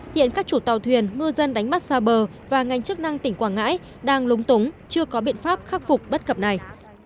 hiện các chủ tàu thuyền ngư dân đánh bắt xa bờ và ngành chức năng tỉnh quảng ngãi đang lúng túng chưa có biện pháp khắc phục bất cập này